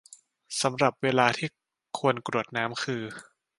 สำหรับเวลาที่ควรกรวดน้ำคือ